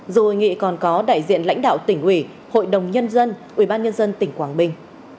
dù hội nghị còn có đại diện lãnh đạo tỉnh ủy hội đồng nhân dân ubnd tỉnh quảng bình